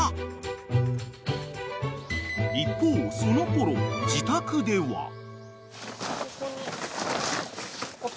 ［一方そのころ自宅では］